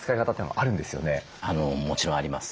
もちろんあります。